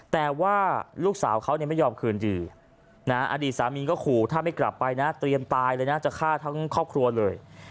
แต่ว่าลูกสาวเขาไม่ยอมคืนดีอดีตสามีก็ขู่ถ้าไม่กลับไปนะเตรียมตายเลยนะจะฆ่าทั้งครอบครัวเลย